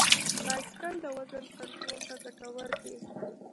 بایسکل د وزن کنټرول ته ګټور دی.